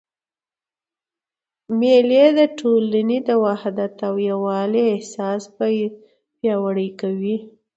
مېلې د ټولني د وحدت او یووالي احساس پیاوړی کوي.